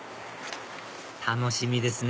楽しみですね！